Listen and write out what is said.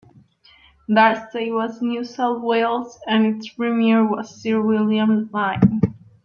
That state was New South Wales, and its premier was Sir William Lyne.